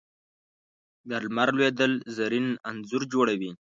د لمر لوېدل زرین انځور جوړوي